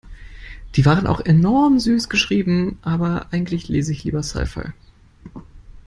Die war auch enorm süß geschrieben. Aber eigentlich lese ich lieber Sci-Fi.